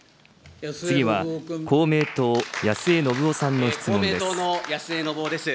次は公明党、安江伸夫さんの質問です。